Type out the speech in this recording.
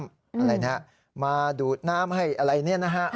อะไรนะมาดูดน้ำให้อะไรเนี่ยนะฮะ